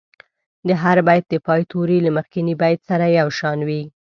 د هر بیت د پای توري له مخکني بیت سره یو شان وي.